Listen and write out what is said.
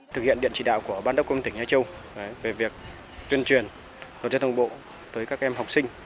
thực hiện điện trị đạo của ban đốc công an huyện thịnh hà châu về việc tuyên truyền luật giao thông bộ tới các em học sinh